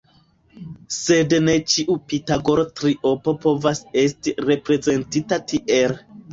Sed ne ĉiu pitagoro triopo povas esti reprezentita tiel.